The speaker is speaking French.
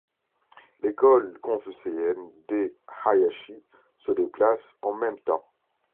L'école confucéenne des Hayashi se déplace en même temps.